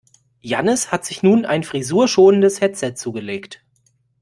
Jannis hat sich nun ein frisurschonendes Headset zugelegt.